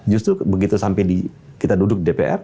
justru begitu sampai kita duduk dpr